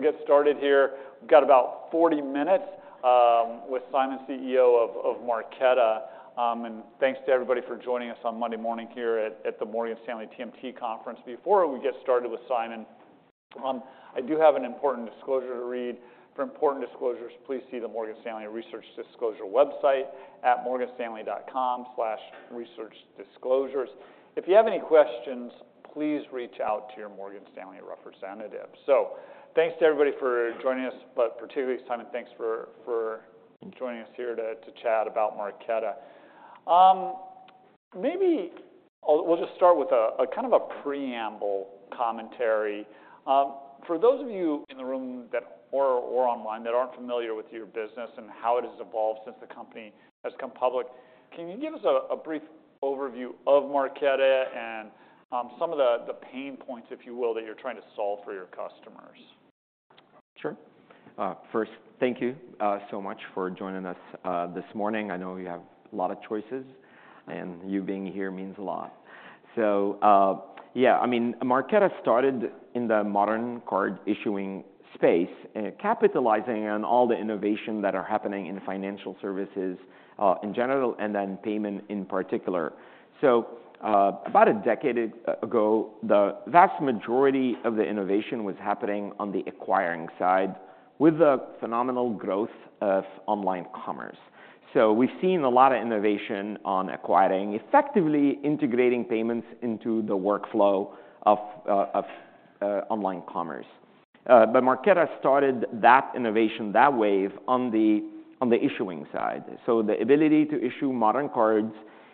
All right, we'll get started here. We've got about 40 minutes with Simon, CEO of Marqeta, and thanks to everybody for joining us on Monday morning here at the Morgan Stanley TMT conference. Before we get started with Simon, I do have an important disclosure to read. For important disclosures, please see the Morgan Stanley Research Disclosure website at morganstanley.com/researchdisclosures. If you have any questions, please reach out to your Morgan Stanley representative. So thanks to everybody for joining us, but particularly Simon, thanks for joining us here to chat about Marqeta. Maybe we'll just start with a kind of preamble commentary. For those of you in the room or online that aren't familiar with your business and how it has evolved since the company has come public, can you give us a brief overview of Marqeta and some of the pain points, if you will, that you're trying to solve for your customers? Sure. First, thank you so much for joining us this morning. I know you have a lot of choices, and you being here means a lot. Yeah, I mean, Marqeta started in the modern card issuing space, capitalizing on all the innovation that are happening in financial services, in general, and then payment in particular. About a decade ago, the vast majority of the innovation was happening on the acquiring side with the phenomenal growth of online commerce. We've seen a lot of innovation on acquiring, effectively integrating payments into the workflow of online commerce. But Marqeta started that innovation, that wave, on the issuing side. The ability to issue modern cards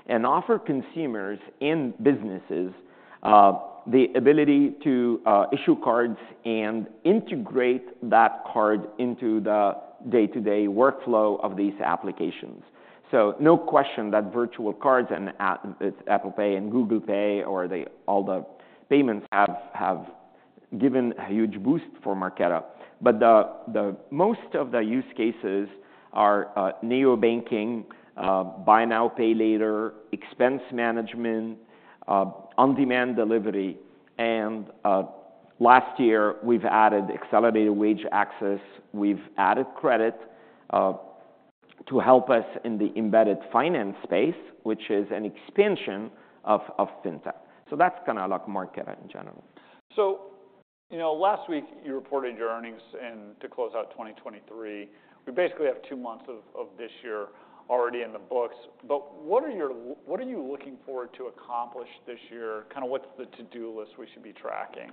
and offer consumers and businesses the ability to issue cards and integrate that card into the day-to-day workflow of these applications. So no question that virtual cards and Apple Pay and Google Pay or all the payments have given a huge boost for Marqeta. But the most of the use cases are neobanking, buy now, pay later, expense management, on-demand delivery, and last year, we've added accelerated wage access. We've added credit to help us in the embedded finance space, which is an expansion of fintech. So that's kinda like Marqeta in general. So, you know, last week, you reported your earnings and to close out 2023. We basically have two months of this year already in the books. But what are you looking forward to accomplish this year? Kinda what's the to-do list we should be tracking?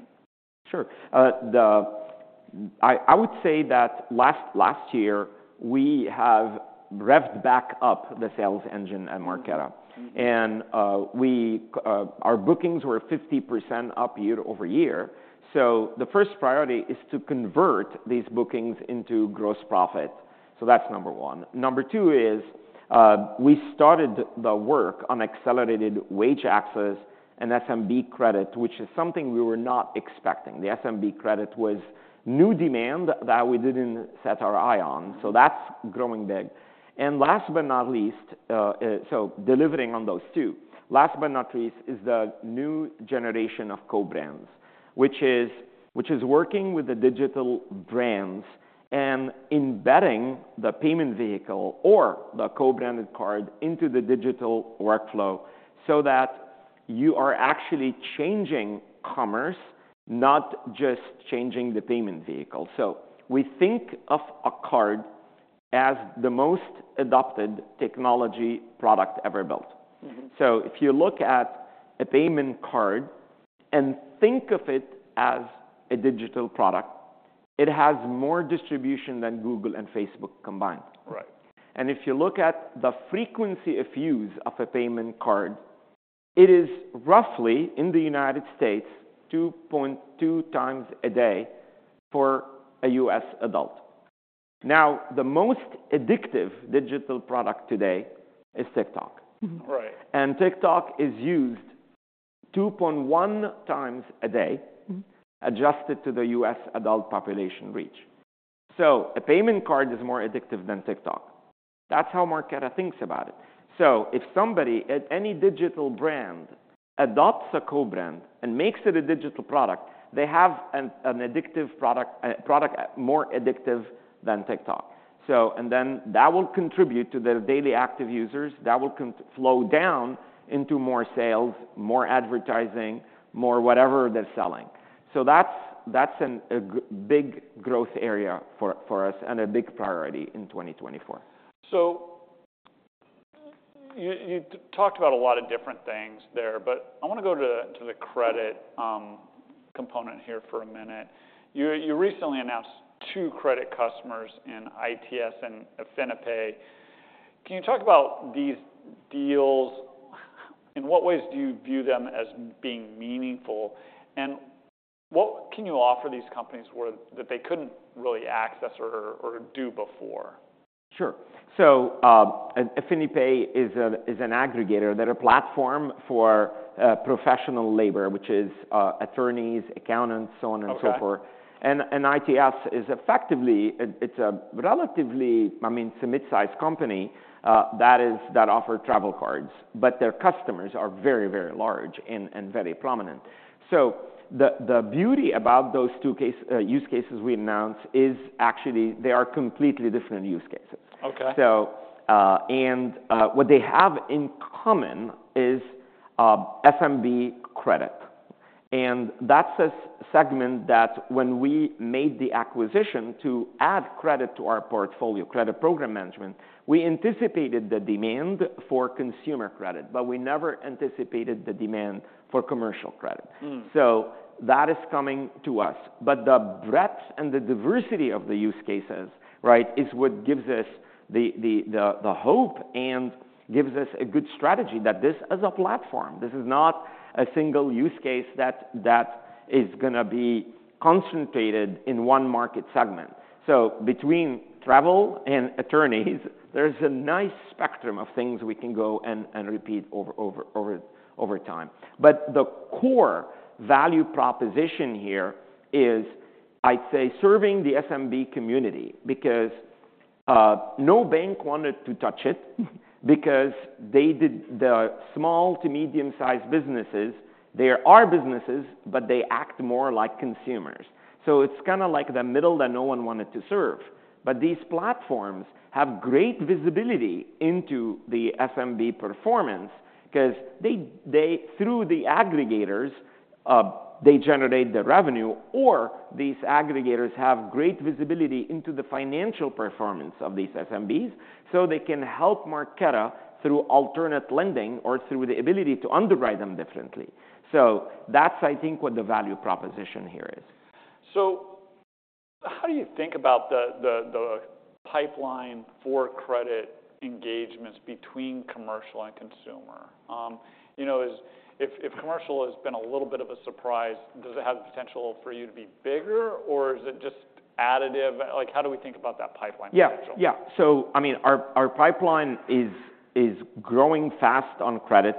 Sure. I would say that last year, we have revved back up the sales engine at Marqeta. And our bookings were 50% up year-over-year. So the first priority is to convert these bookings into gross profit. So that's number one. Number two is, we started the work on accelerated wage access and SMB credit, which is something we were not expecting. The SMB credit was new demand that we didn't set our eye on. So that's growing big. And last but not least, so delivering on those two. Last but not least is the new generation of co-brands, which is working with the digital brands and embedding the payment vehicle or the co-branded card into the digital workflow so that you are actually changing commerce, not just changing the payment vehicle. We think of a card as the most adopted technology product ever built. If you look at a payment card and think of it as a digital product, it has more distribution than Google and Facebook combined. Right. If you look at the frequency of use of a payment card, it is roughly, in the United States, 2.2 times a day for a U.S. adult. Now, the most addictive digital product today is TikTok. Right. TikTok is used 2.1 times a day adjusted to the U.S. adult population reach. So a payment card is more addictive than TikTok. That's how Marqeta thinks about it. So if somebody, any digital brand adopts a co-brand and makes it a digital product, they have an addictive product more addictive than TikTok. So and then that will contribute to their daily active users. That will flow down into more sales, more advertising, more whatever they're selling. So that's a big growth area for us and a big priority in 2024. So you talked about a lot of different things there, but I wanna go to the credit component here for a minute. You recently announced two credit customers in ITS and AffiniPay. Can you talk about these deals? In what ways do you view them as being meaningful? And what can you offer these companies where that they couldn't really access or do before? Sure. So, AffiniPay is an aggregator. They're a platform for professional labor, which is attorneys, accountants, so on and so forth. Okay. ITS is effectively it's a relatively, I mean, it's a mid-sized company that offers travel cards. But their customers are very, very large and very prominent. So the beauty about those two use cases we announced is actually they are completely different use cases. Okay. What they have in common is SMB credit. That's a segment that when we made the acquisition to add credit to our portfolio, credit program management, we anticipated the demand for consumer credit, but we never anticipated the demand for commercial credit. So that is coming to us. But the breadth and the diversity of the use cases, right, is what gives us the hope and gives us a good strategy that this is a platform. This is not a single use case that is gonna be concentrated in one market segment. So between travel and attorneys, there's a nice spectrum of things we can go and repeat over time. But the core value proposition here is, I'd say, serving the SMB community because no bank wanted to touch it because they did the small to medium-sized businesses. They are businesses, but they act more like consumers. So it's kinda like the middle that no one wanted to serve. But these platforms have great visibility into the SMB performance 'cause they through the aggregators, they generate the revenue, or these aggregators have great visibility into the financial performance of these SMBs so they can help Marqeta through alternate lending or through the ability to underwrite them differently. So that's, I think, what the value proposition here is. So how do you think about the pipeline for credit engagements between commercial and consumer? You know, if commercial has been a little bit of a surprise, does it have the potential for you to be bigger, or is it just additive? Like, how do we think about that pipeline potential? Yeah. Yeah. So, I mean, our pipeline is growing fast on credit,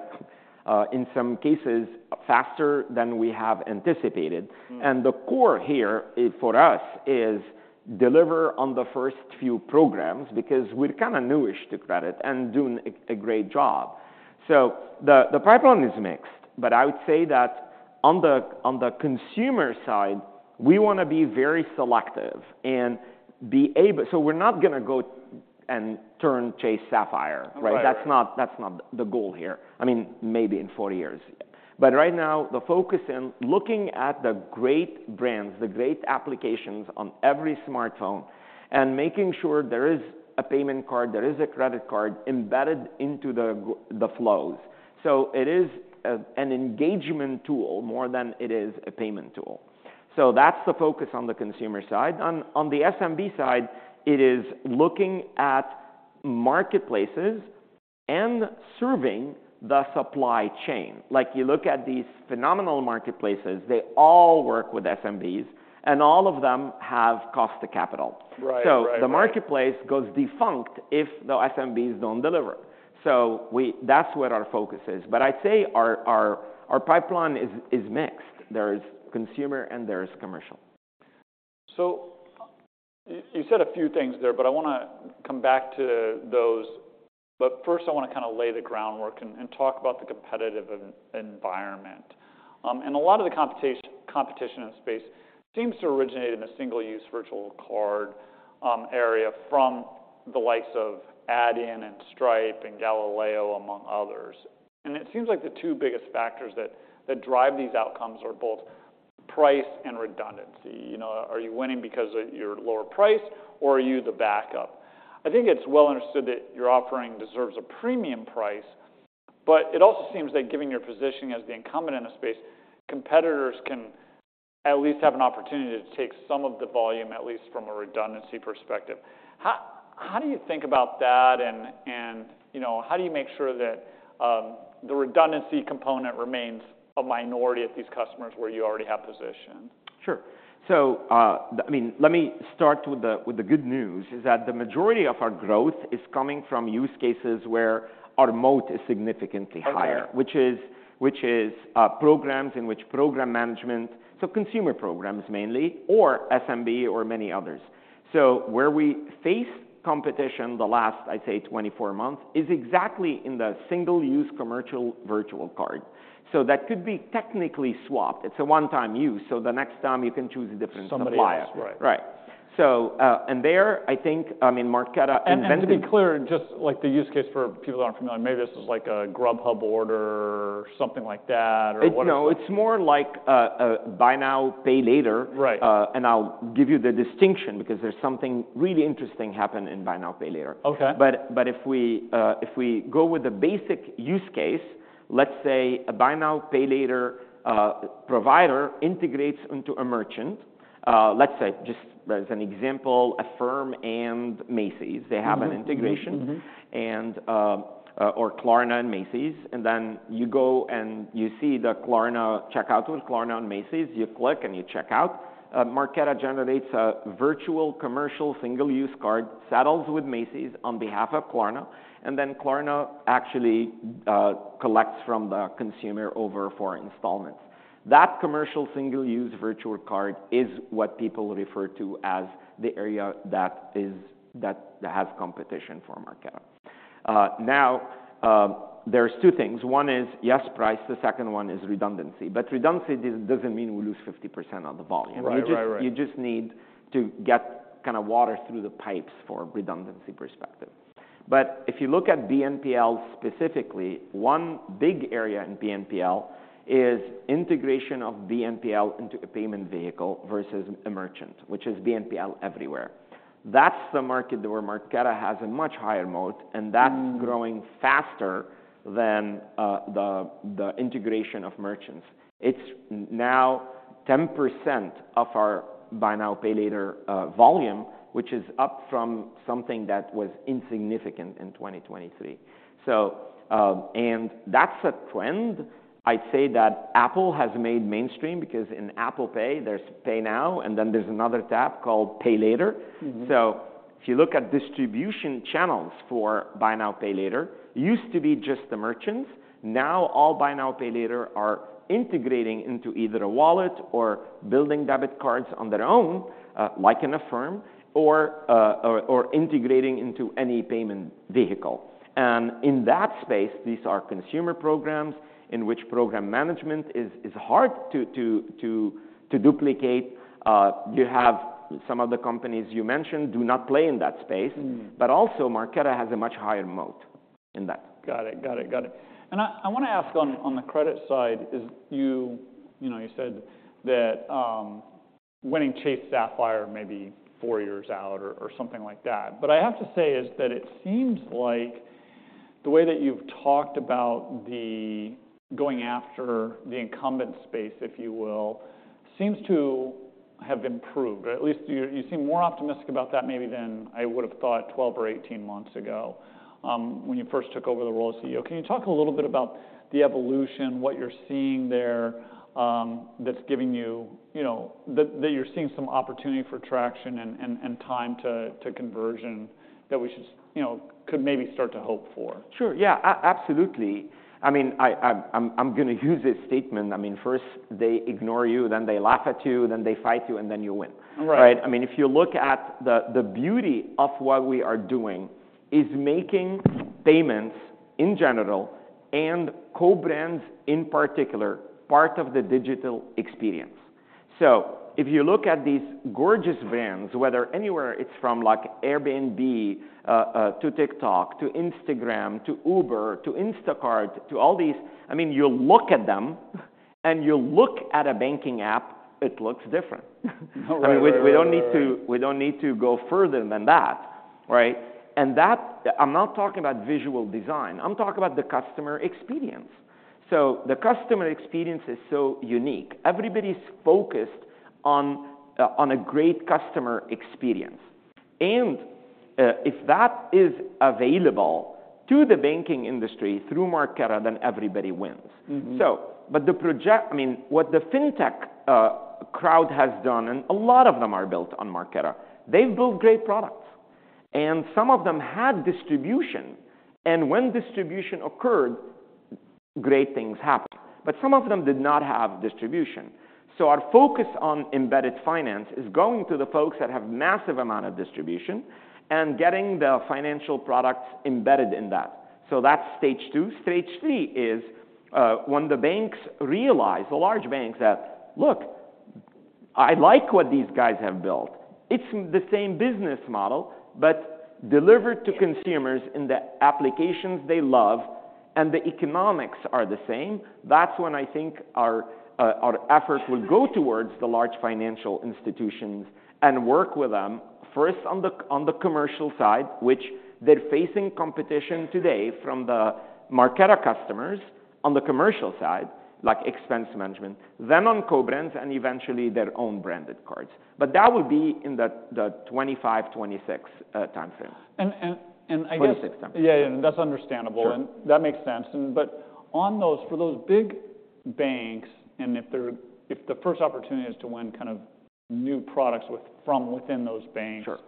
in some cases, faster than we have anticipated. The core here, for us is deliver on the first few programs because we're kinda newish to credit and doing a great job. So the pipeline is mixed, but I would say that on the consumer side, we wanna be very selective and be able so we're not gonna go and turn Chase Sapphire, right? Right. That's not the goal here. I mean, maybe in 40 years. But right now, the focus in looking at the great brands, the great applications on every smartphone, and making sure there is a payment card, there is a credit card embedded into the flows. So it is an engagement tool more than it is a payment tool. So that's the focus on the consumer side. On the SMB side, it is looking at marketplaces and serving the supply chain. Like, you look at these phenomenal marketplaces, they all work with SMBs, and all of them have cost to capital. Right. Right. So the marketplace goes defunct if the SMBs don't deliver. So that's where our focus is. But I'd say our pipeline is mixed. There's consumer, and there's commercial. So you said a few things there, but I wanna come back to those. But first, I wanna kinda lay the groundwork and talk about the competitive environment. And a lot of the competition in the space seems to originate in the single-use virtual card area from the likes of Adyen and Stripe and Galileo, among others. And it seems like the two biggest factors that drive these outcomes are both price and redundancy. You know, are you winning because of your lower price, or are you the backup? I think it's well understood that your offering deserves a premium price, but it also seems that given your position as the incumbent in the space, competitors can at least have an opportunity to take some of the volume, at least from a redundancy perspective. How do you think about that and, you know, how do you make sure that the redundancy component remains a minority at these customers where you already have position? Sure. So, I mean, let me start with the good news is that the majority of our growth is coming from use cases where our moat is significantly higher. Okay. Which is programs in which program management so consumer programs mainly, or SMB or many others. So where we faced competition the last, I'd say, 24 months is exactly in the single-use commercial virtual card. So that could be technically swapped. It's a one-time use, so the next time, you can choose a different supplier. Somebody else, right. Right. So, and there, I think, I mean, Marqeta invented. To be clear, just, like, the use case for people that aren't familiar, maybe this is like a Grubhub order or something like that or whatever it is. It's no. It's more like, buy now, pay later. Right. And I'll give you the distinction because there's something really interesting happened in buy now, pay later. Okay. If we go with the basic use case, let's say a buy now, pay later provider integrates into a merchant. Let's say, just as an example, Affirm and Macy's. They have an integration. And or Klarna and Macy's. Then you go and you see the Klarna checkout with Klarna and Macy's. You click, and you checkout. Marqeta generates a virtual commercial single-use card, settles with Macy's on behalf of Klarna, and then Klarna actually collects from the consumer over four installments. That commercial single-use virtual card is what people refer to as the area that is that has competition for Marqeta. Now, there are two things. One is, yes, price. The second one is redundancy. But redundancy doesn't mean we lose 50% of the volume, right? Right. Right. Right. You just need to get kinda water through the pipes for redundancy perspective. But if you look at BNPL specifically, one big area in BNPL is integration of BNPL into a payment vehicle versus a merchant, which is BNPL everywhere. That's the market where Marqeta has a much higher moat, and that's growing faster than the integration of merchants. It's now 10% of our buy now pay later volume, which is up from something that was insignificant in 2023. So, and that's a trend. I'd say that Apple has made mainstream because in Apple Pay, there's Pay Now, and then there's another tab called Pay Later. So if you look at distribution channels for buy now, pay later, it used to be just the merchants. Now, all buy now, pay later are integrating into either a wallet or building debit cards on their own, like Affirm, or integrating into any payment vehicle. And in that space, these are consumer programs in which program management is hard to duplicate. You have some of the companies you mentioned do not play in that space. But also, Marqeta has a much higher moat in that. Got it. Got it. Got it. I wanna ask on the credit side. You know, you said that winning Chase Sapphire may be 4 years out or something like that. But I have to say that it seems like the way that you've talked about going after the incumbent space, if you will, seems to have improved, or at least you seem more optimistic about that maybe than I would have thought 12 or 18 months ago, when you first took over the role as CEO. Can you talk a little bit about the evolution, what you're seeing there, that's giving you, you know, that you're seeing some opportunity for traction and time to conversion that we should see, you know, could maybe start to hope for? Sure. Yeah. Absolutely. I mean, I'm gonna use this statement. I mean, first, they ignore you, then they laugh at you, then they fight you, and then you win. Right. Right? I mean, if you look at the beauty of what we are doing is making payments in general and co-brands in particular part of the digital experience. So if you look at these gorgeous brands, whether anywhere, it's from, like, Airbnb to TikTok to Instagram to Uber to Instacart to all these. I mean, you look at them, and you look at a banking app, it looks different. No, right. I mean, we don't need to go further than that, right? And that I'm not talking about visual design. I'm talking about the customer experience. So the customer experience is so unique. Everybody's focused on a great customer experience. And, if that is available to the banking industry through Marqeta, then everybody wins. So but the project I mean, what the fintech crowd has done, and a lot of them are built on Marqeta, they've built great products. Some of them had distribution. When distribution occurred, great things happened. But some of them did not have distribution. So our focus on embedded finance is going to the folks that have massive amount of distribution and getting the financial products embedded in that. So that's stage two. Stage three is, when the banks realize, the large banks, that, "Look, I like what these guys have built. It's the same business model, but delivered to consumers in the applications they love, and the economics are the same," that's when I think our effort will go towards the large financial institutions and work with them, first on the commercial side, which they're facing competition today from the Marqeta customers on the commercial side, like expense management, then on co-brands and eventually their own branded cards. But that will be in the 2025, 2026 time frame. I guess. 26 time. Yeah, yeah. And that's understandable. Sure. That makes sense. But on those big banks, if the first opportunity is to win kind of new products from within those banks. Sure.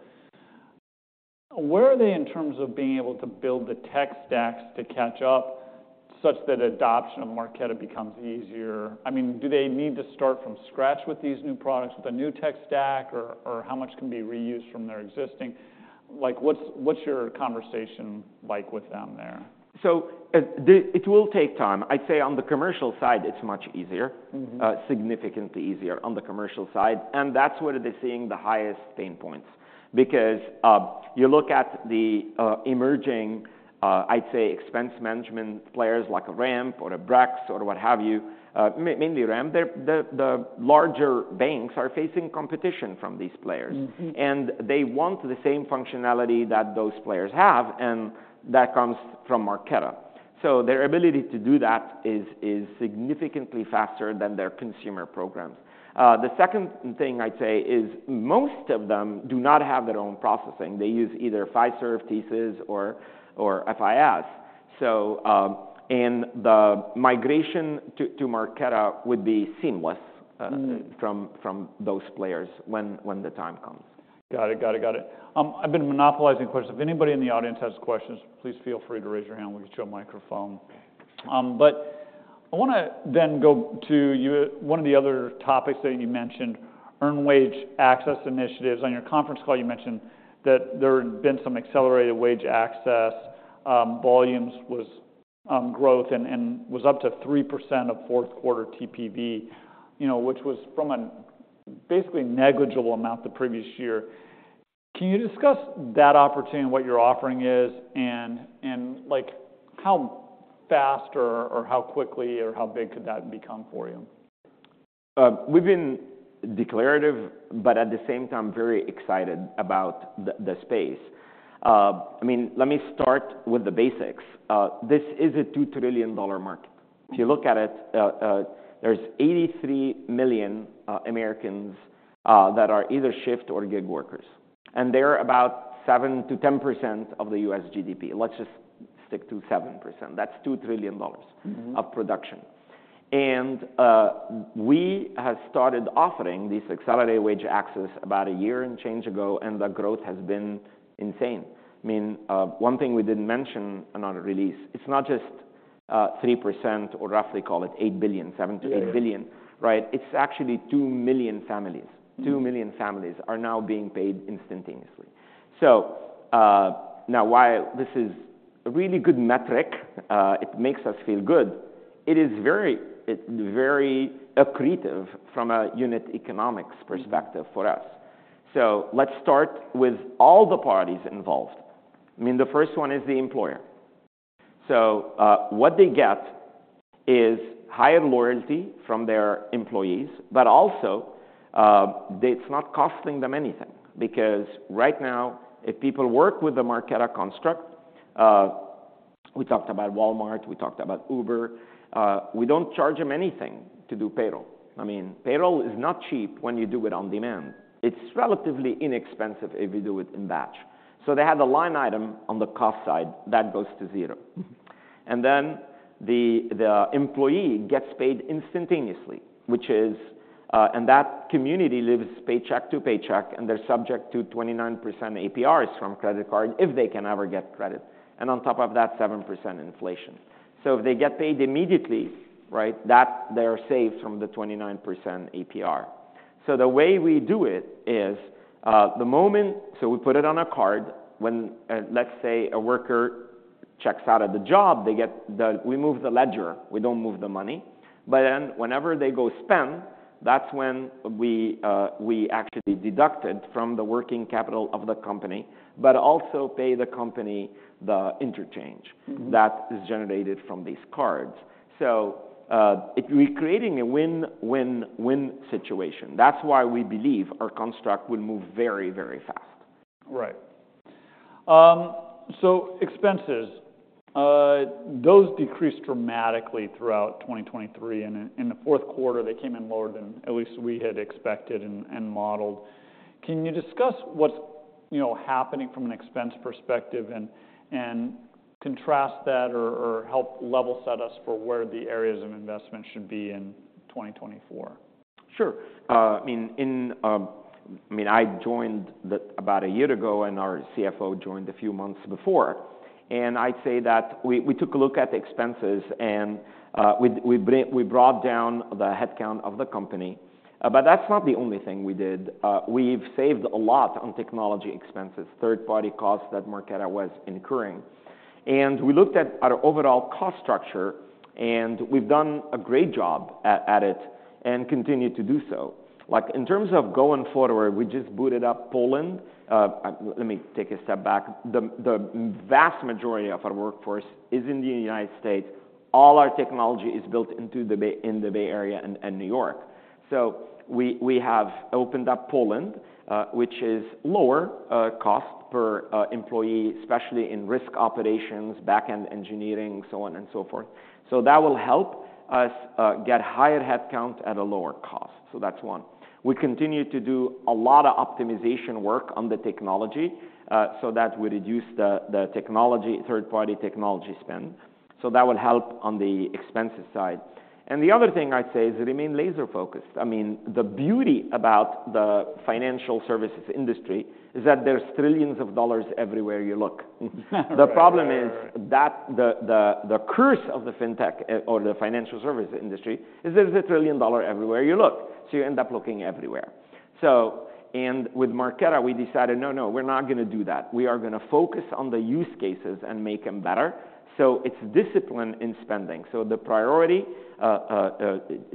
Where are they in terms of being able to build the tech stacks to catch up such that adoption of Marqeta becomes easier? I mean, do they need to start from scratch with these new products, with a new tech stack, or, or how much can be reused from their existing? Like, what's, what's your conversation like with them there? So it will take time. I'd say on the commercial side, it's much easier. Significantly easier on the commercial side. And that's where they're seeing the highest pain points because, you look at the emerging, I'd say, expense management players like a Ramp or a Brex or what have you, mainly Ramp. Their larger banks are facing competition from these players. They want the same functionality that those players have, and that comes from Marqeta. So their ability to do that is significantly faster than their consumer programs. The second thing I'd say is most of them do not have their own processing. They use either Fiserv, TSYS, or FIS. So the migration to Marqeta would be seamless, from those players when the time comes. Got it. Got it. Got it. I've been monopolizing questions. If anybody in the audience has questions, please feel free to raise your hand. We'll get you a microphone. But I wanna then go to you one of the other topics that you mentioned, earned wage access initiatives. On your conference call, you mentioned that there had been some accelerated wage access, volumes was, growth and, and was up to 3% of fourth-quarter TPV, you know, which was from a basically negligible amount the previous year. Can you discuss that opportunity, what your offering is, and, and, like, how fast or, or how quickly or how big could that become for you? We've been declarative, but at the same time, very excited about the, the space. I mean, let me start with the basics. This is a $2 trillion market. If you look at it, there's 83 million Americans that are either shift or gig workers. And they're about 7%-10% of the U.S. GDP. Let's just stick to 7%. That's $2 trillion of production. We have started offering this accelerated wage access about a year and change ago, and the growth has been insane. I mean, one thing we didn't mention in our release, it's not just 3% or roughly call it $8 billion, $7-$8 billion. Yeah. Right? It's actually 2 million families. Two million families are now being paid instantaneously. So, now, while this is a really good metric, it makes us feel good, it is very, very accretive from a unit economics perspective for us. So let's start with all the parties involved. I mean, the first one is the employer. So, what they get is higher loyalty from their employees, but also, it's not costing them anything because right now, if people work with the Marqeta construct, we talked about Walmart. We talked about Uber. We don't charge them anything to do payroll. I mean, payroll is not cheap when you do it on demand. It's relatively inexpensive if you do it in batch. So they have the line item on the cost side that goes to zero. Then the employee gets paid instantaneously, which is, and that community lives paycheck to paycheck, and they're subject to 29% APRs from credit card if they can ever get credit, and on top of that, 7% inflation. So if they get paid immediately, right, that they are saved from the 29% APR. So the way we do it is, the moment, so we put it on a card. When, let's say a worker checks out of the job, they get, we move the ledger. We don't move the money. But then, whenever they go spend, that's when we actually deduct it from the working capital of the company but also pay the company the interchange. That is generated from these cards. So, we're creating a win, win, win situation. That's why we believe our construct will move very, very fast. Right. So expenses. Those decreased dramatically throughout 2023. And in the Q4, they came in lower than at least we had expected and modeled. Can you discuss what's, you know, happening from an expense perspective and contrast that or help level set us for where the areas of investment should be in 2024? Sure. I mean, I mean, I joined the about a year ago, and our CFO joined a few months before. And I'd say that we, we took a look at the expenses, and we brought down the headcount of the company. But that's not the only thing we did. We've saved a lot on technology expenses, third-party costs that Marqeta was incurring. And we looked at our overall cost structure, and we've done a great job at it and continue to do so. Like, in terms of going forward, we just booted up Poland. Let me take a step back. The vast majority of our workforce is in the United States. All our technology is built in the Bay Area and New York. So we have opened up Poland, which is lower cost per employee, especially in risk operations, backend engineering, so on and so forth. So that will help us get higher headcount at a lower cost. So that's one. We continue to do a lot of optimization work on the technology, so that we reduce the technology third-party technology spend. So that will help on the expenses side. And the other thing I'd say is remain laser-focused. I mean, the beauty about the financial services industry is that there's trillions of dollars everywhere you look. Right. The problem is that the curse of the fintech or the financial services industry is there's a trillion-dollar everywhere you look. So you end up looking everywhere. So with Marqeta, we decided, "No, no. We're not gonna do that. We are gonna focus on the use cases and make them better." So it's discipline in spending. So the priority,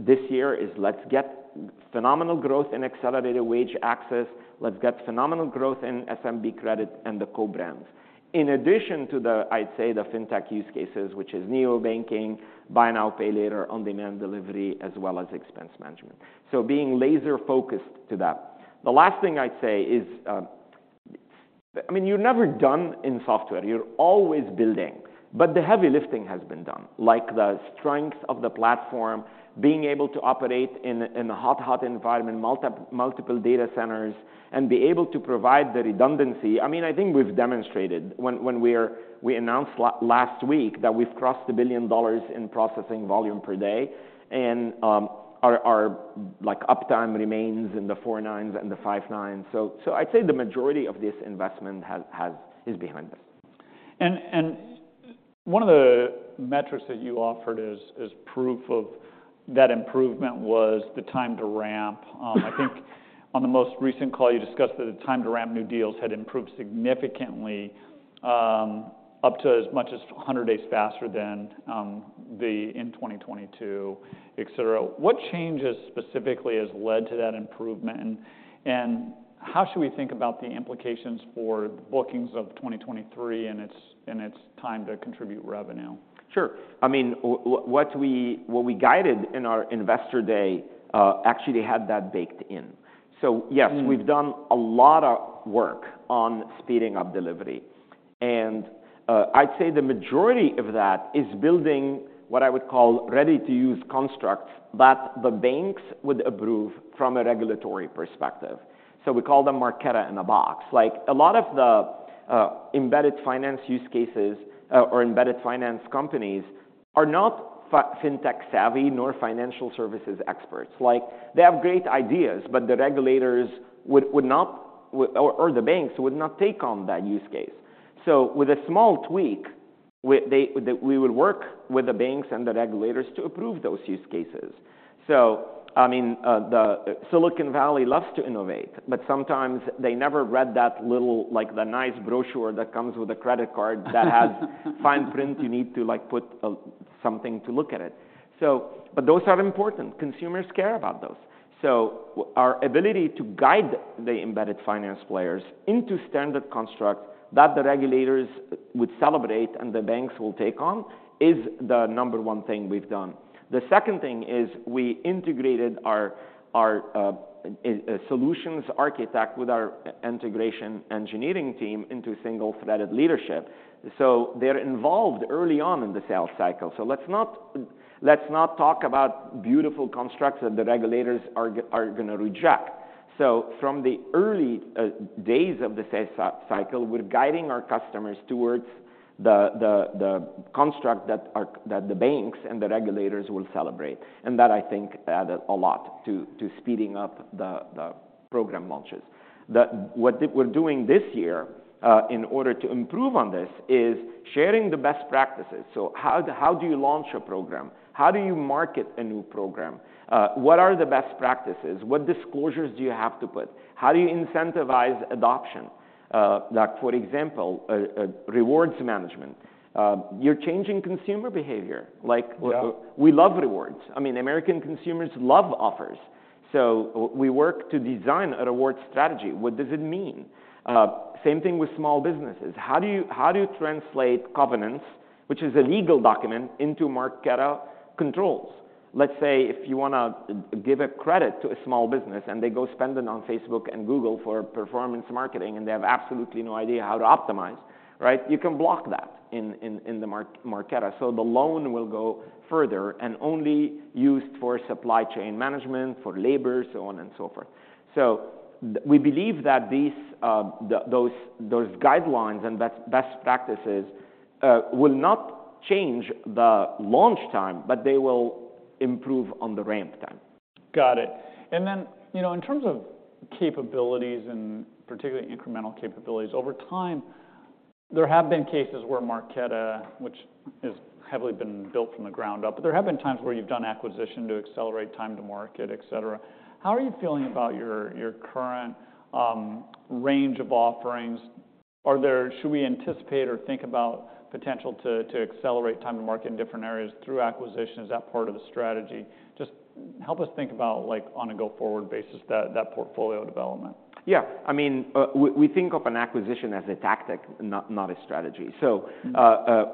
this year is, "Let's get phenomenal growth in accelerated wage access. Let's get phenomenal growth in SMB credit and the co-brands," in addition to the, I'd say, the fintech use cases, which is neobanking, buy now, pay later, on-demand delivery, as well as expense management. So being laser-focused to that. The last thing I'd say is, it's I mean, you're never done in software. You're always building. But the heavy lifting has been done, like the strength of the platform, being able to operate in a hot environment, multiple data centers, and be able to provide the redundancy. I mean, I think we've demonstrated when we announced last week that we've crossed $1 billion in processing volume per day, and our uptime remains in the four nines and the five nines. So I'd say the majority of this investment has is behind us. One of the metrics that you offered is proof of that improvement was the time to Ramp. I think on the most recent call, you discussed that the time to Ramp new deals had improved significantly, up to as much as 100 days faster than in 2022, etc. What changes specifically has led to that improvement? And how should we think about the implications for bookings of 2023 and its time to contribute revenue? Sure. I mean, what we guided in our investor day, actually, they had that baked in. So yes, we've done a lot of work on speeding up delivery. And, I'd say the majority of that is building what I would call ready-to-use constructs that the banks would approve from a regulatory perspective. So we call them Marqeta-in-a-Box. Like, a lot of the embedded finance use cases, or embedded finance companies are not fintech savvy nor financial services experts. Like, they have great ideas, but the regulators would not, or the banks would not take on that use case. So with a small tweak, we will work with the banks and the regulators to approve those use cases. So, I mean, the Silicon Valley loves to innovate, but sometimes, they never read that little like, the nice brochure that comes with a credit card that has fine print you need to, like, put a something to look at it. So but those are important. Consumers care about those. So our ability to guide the embedded finance players into standard constructs that the regulators would celebrate and the banks will take on is the number one thing we've done. The second thing is we integrated our in-house solutions architect with our integration engineering team into single-threaded leadership. So they're involved early on in the sales cycle. So let's not talk about beautiful constructs that the regulators are gonna reject. So from the early days of the sales cycle, we're guiding our customers towards the construct that the banks and the regulators will celebrate. And that, I think, added a lot to speeding up the program launches. What we're doing this year, in order to improve on this, is sharing the best practices. So how do you launch a program? How do you market a new program? What are the best practices? What disclosures do you have to put? How do you incentivize adoption? Like, for example, rewards management. You're changing consumer behavior. Like, Yeah. We love rewards. I mean, American consumers love offers. So we work to design a rewards strategy. What does it mean? Same thing with small businesses. How do you translate covenants, which is a legal document, into Marqeta controls? Let's say if you wanna give a credit to a small business, and they go spend it on Facebook and Google for performance marketing, and they have absolutely no idea how to optimize, right? You can block that in the Marqeta. So the loan will go further and only used for supply chain management, for labor, so on and so forth. So we believe that these, those guidelines and best practices, will not change the launch time, but they will improve on the Ramp time. Got it. And then, you know, in terms of capabilities and particularly incremental capabilities, over time, there have been cases where Marqeta, which has heavily been built from the ground up, but there have been times where you've done acquisition to accelerate time to market, etc. How are you feeling about your, your current range of offerings? Are there should we anticipate or think about potential to, to accelerate time to market in different areas through acquisition? Is that part of the strategy? Just help us think about, like, on a go-forward basis, that, that portfolio development. Yeah. I mean, we think of an acquisition as a tactic, not a strategy. So,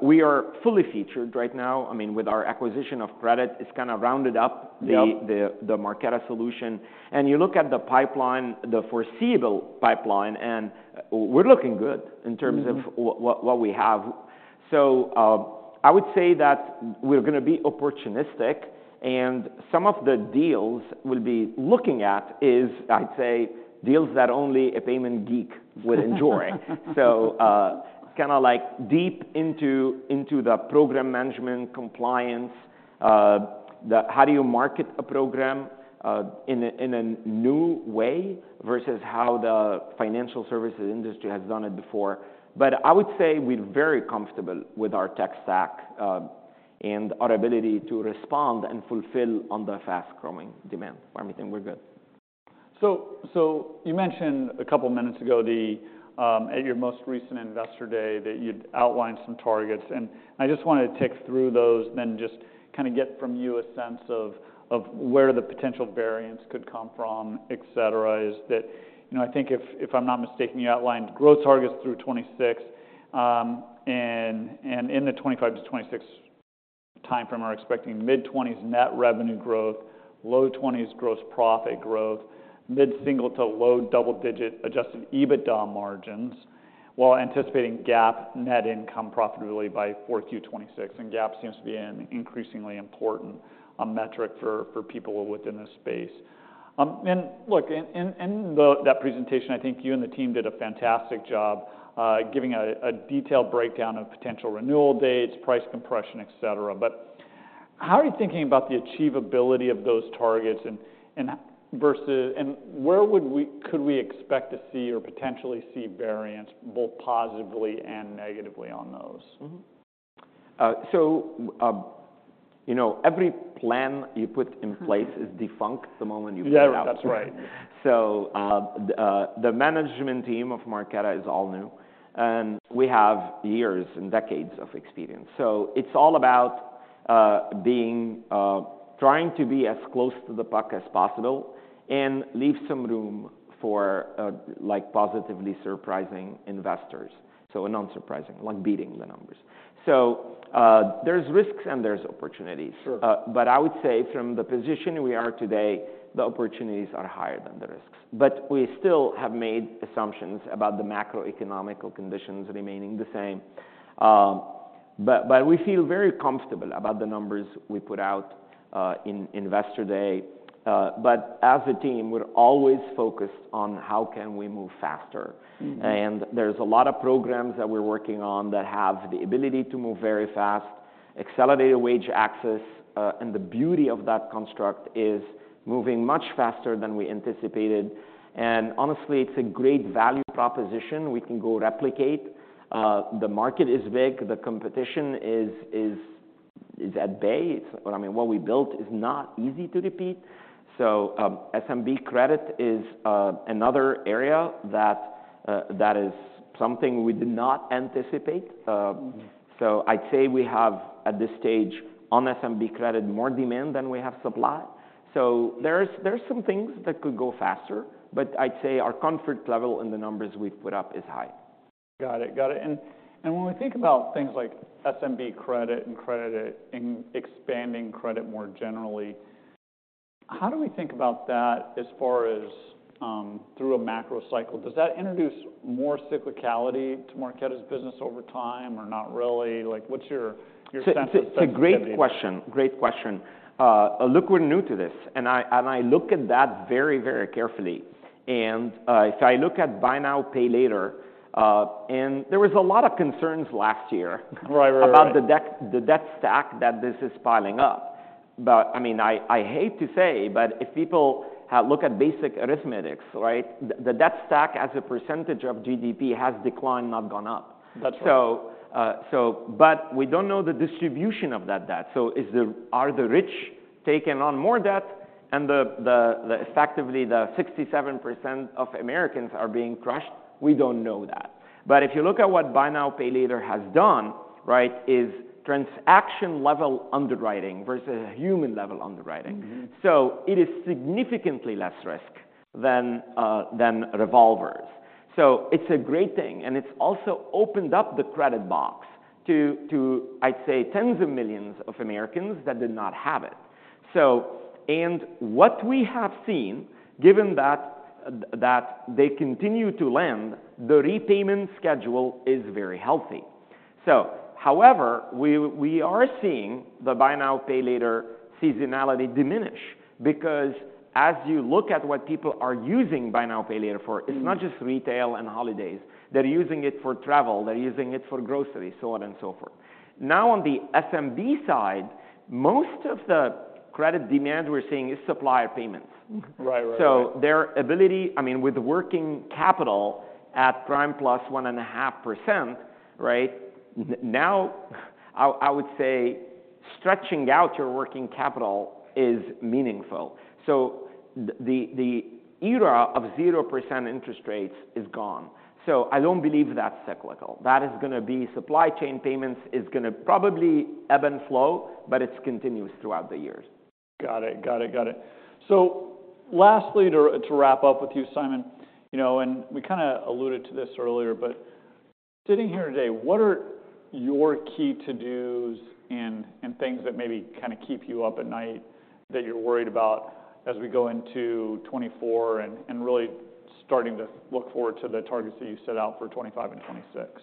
we are fully featured right now. I mean, with our acquisition of credit, it's kinda rounded up the. Yeah. The Marqeta solution. And you look at the pipeline, the foreseeable pipeline, and we're looking good in terms of. What we have. So, I would say that we're gonna be opportunistic. Some of the deals we'll be looking at is, I'd say, deals that only a payment geek would enjoy. So, kinda, like, deep into the program management compliance, the how do you market a program, in a new way versus how the financial services industry has done it before. But I would say we're very comfortable with our tech stack, and our ability to respond and fulfill on the fast-growing demand. For everything, we're good. So you mentioned a couple minutes ago at your most recent investor day that you'd outlined some targets. And I just wanted to tick through those, then just kinda get from you a sense of where the potential variance could come from, etc. Is that, you know, I think if I'm not mistaken, you outlined growth targets through 2026. And in the 2025 to 2026 timeframe, we're expecting mid-20s% net revenue growth, low-20s% gross profit growth, mid-single-digit to low double-digit% adjusted EBITDA margins while anticipating GAAP net income profitability by 4Q 2026. And GAAP seems to be an increasingly important metric for people within this space. And look, in that presentation, I think you and the team did a fantastic job giving a detailed breakdown of potential renewal dates, price compression, etc. But how are you thinking about the achievability of those targets and versus where could we expect to see or potentially see variance, both positively and negatively, on those? So, you know, every plan you put in place is defunct the moment you put it out there. Yeah. That's right. The management team of Marqeta is all new. We have years and decades of experience. It's all about being, trying to be as close to the puck as possible and leave some room for, like, positively surprising investors, so and unsurprising, like beating the numbers. There's risks, and there's opportunities. Sure. But I would say from the position we are today, the opportunities are higher than the risks. But we still have made assumptions about the macroeconomic conditions remaining the same. But, but we feel very comfortable about the numbers we put out in Investor Day. But as a team, we're always focused on how can we move faster. There's a lot of programs that we're working on that have the ability to move very fast. Accelerated wage access, and the beauty of that construct is moving much faster than we anticipated. And honestly, it's a great value proposition. We can go replicate. The market is big. The competition is at bay. It's what I mean, what we built is not easy to repeat. So, SMB credit is another area that is something we did not anticipate. So I'd say we have, at this stage, on SMB credit, more demand than we have supply. So there's some things that could go faster, but I'd say our comfort level in the numbers we've put up is high. Got it. Got it. And, and when we think about things like SMB credit and credit in expanding credit more generally, how do we think about that as far as, through a macro cycle? Does that introduce more cyclicality to Marqeta's business over time, or not really? Like, what's your, your sense of safety? It's, it's a great question. Great question. Look, we're new to this. And I and I look at that very, very carefully. And, if I look at buy now, pay later, and there was a lot of concerns last year. Right. Right. About the debt, the debt stack that this is piling up. But I mean, I hate to say, but if people have to look at basic arithmetic, right, the debt stack as a percentage of GDP has declined, not gone up. That's right. But we don't know the distribution of that debt. So, are the rich taking on more debt? And effectively, the 67% of Americans are being crushed; we don't know that. But if you look at what buy now, pay later has done, right, is transaction-level underwriting versus human-level underwriting. So it is significantly less risk than revolvers. So it's a great thing. And it's also opened up the credit box to, I'd say, tens of millions of Americans that did not have it. So what we have seen, given that they continue to lend, the repayment schedule is very healthy. However, we are seeing the buy now, pay later seasonality diminish because as you look at what people are using buy now, pay later for, it's not just retail and holidays. They're using it for travel. They're using it for groceries, so on and so forth. Now, on the SMB side, most of the credit demand we're seeing is supplier payments. Right. Right. Right. So their ability, I mean, with working capital at prime plus 1.5%, right, now, I would say stretching out your working capital is meaningful. So the era of 0% interest rates is gone. So I don't believe that's cyclical. That is gonna be supply chain payments is gonna probably ebb and flow, but it's continuous throughout the years. Got it. Got it. Got it. So lastly, to wrap up with you, Simon, you know, and we kinda alluded to this earlier, but sitting here today, what are your key to-dos and things that maybe kinda keep you up at night that you're worried about as we go into 2024 and really starting to look forward to the targets that you set out for 2025 and 2026?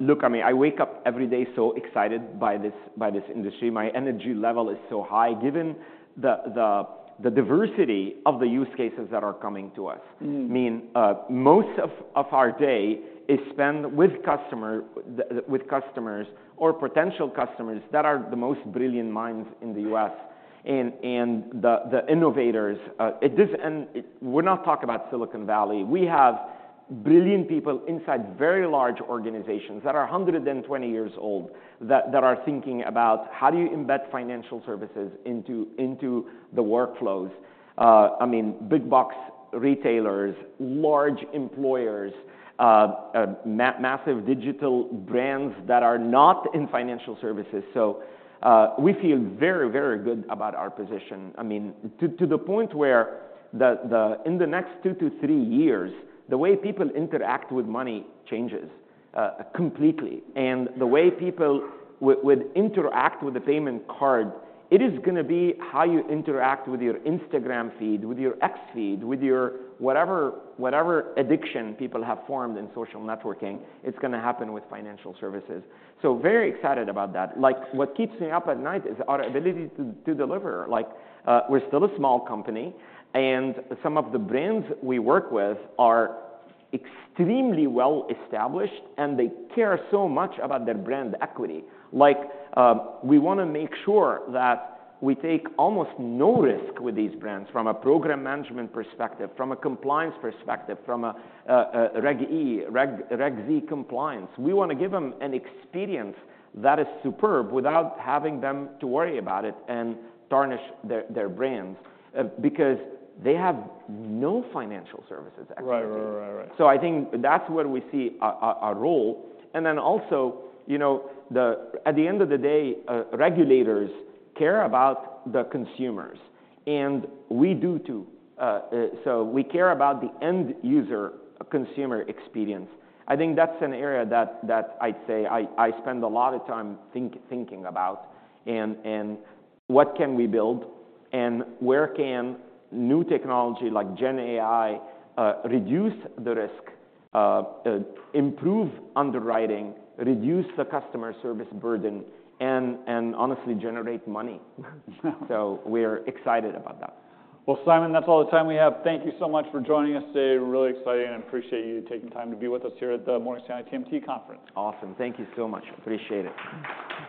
Look, I mean, I wake up every day so excited by this industry. My energy level is so high given the diversity of the use cases that are coming to us. I mean, most of our day is spent with customers or potential customers that are the most brilliant minds in the U.S. and the innovators. It does and we're not talking about Silicon Valley. We have brilliant people inside very large organizations that are 120 years old that are thinking about how do you embed financial services into the workflows. I mean, big-box retailers, large employers, massive digital brands that are not in financial services. So, we feel very, very good about our position. I mean, to the point where the, in the next 2-3 years, the way people interact with money changes, completely. And the way people would interact with a payment card, it is gonna be how you interact with your Instagram feed, with your X feed, with your whatever, whatever addiction people have formed in social networking. It's gonna happen with financial services. So very excited about that. Like, what keeps me up at night is our ability to deliver. Like, we're still a small company. And some of the brands we work with are extremely well-established, and they care so much about their brand equity. Like, we wanna make sure that we take almost no risk with these brands from a program management perspective, from a compliance perspective, from a Reg E, Reg Z compliance. We wanna give them an experience that is superb without having them to worry about it and tarnish their brands, because they have no financial services equity. Right. Right. Right. So I think that's where we see our role. And then also, you know, at the end of the day, regulators care about the consumers. And we do too. So we care about the end user, consumer experience. I think that's an area that I'd say I spend a lot of time thinking about and what can we build, and where can new technology like Gen AI reduce the risk, improve underwriting, reduce the customer service burden, and honestly, generate money. Wow. We're excited about that. Well, Simon, that's all the time we have. Thank you so much for joining us today. Really exciting. And appreciate you taking time to be with us here at the Morgan Stanley TMT Conference. Awesome. Thank you so much. Appreciate it.